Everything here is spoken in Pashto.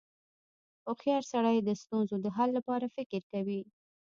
• هوښیار سړی د ستونزو د حل لپاره فکر کوي.